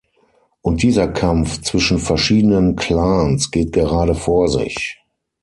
Und dieser Kampf zwischen verschiedenen Clans geht gerade vor sich.